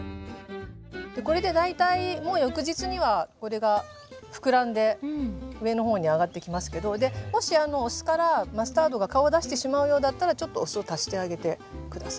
これで大体もう翌日にはこれが膨らんで上の方に上がってきますけどもしお酢からマスタードが顔を出してしまうようだったらちょっとお酢を足してあげて下さい。